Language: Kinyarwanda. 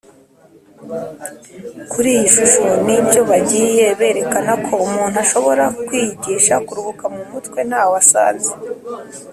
kuri iyi shusho ni byo bagiye berekana ko umuntu ashobora kwiyigisha kuruhuka mumutwentawe asanze.